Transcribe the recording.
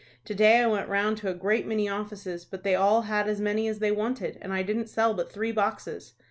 To day I went round to a great many offices, but they all had as many as they wanted, and I didn't sell but three boxes.